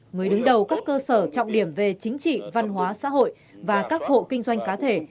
người đứng đầu các cơ sở trọng điểm về chính trị văn hóa xã hội và các hộ kinh doanh cá thể